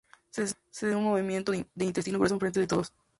Se desnuda y tiene un movimiento de intestino grueso en frente de todos.